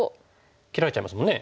切られちゃいますもんね。